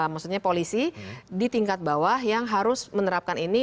maksudnya polisi di tingkat bawah yang harus menerapkan ini